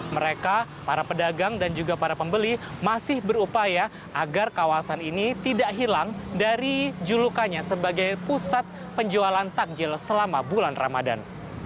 mereka para pedagang dan juga para pembeli masih berupaya agar kawasan ini tidak hilang dari julukannya sebagai pusat penjualan takjil selama bulan ramadan